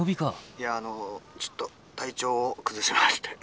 「いやあのちょっと体調を崩しまして」。